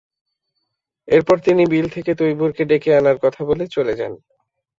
এরপর তিনি বিল থেকে তৈবুরকে ডেকে আনার কথা বলে চলে যান।